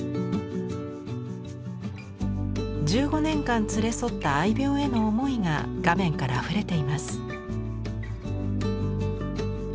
１５年間連れ添った愛猫への思いが画面からあふれています。